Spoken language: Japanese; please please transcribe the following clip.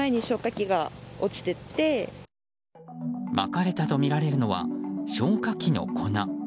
まかれたとみられるのは消火器の粉。